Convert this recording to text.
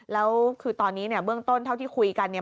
แล้วคือตอนนี้เนี่ยเบื้องต้นเท่าที่คุยกันเนี่ย